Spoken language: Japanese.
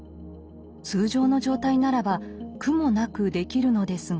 通常の状態ならば苦もなくできるのですが。